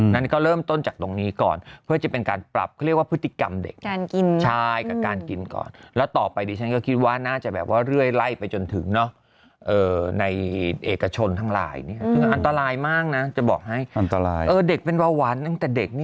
นั้นก็เริ่มต้นจากตรงนี้ก่อนเพื่อจะเป็นการปรับเขาเรียกว่าพฤติกรรมเด็ก